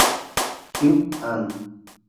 Kew; Ann.